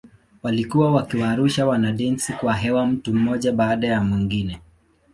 Walikuwa wakiwarusha wanadensi kwa hewa mtu mmoja baada ya mwingine.